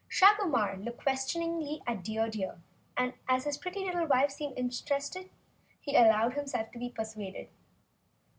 Shagomar looked questioningly at Dear Deer, and as his pretty little wife seemed interested, he allowed himself to be persuaded.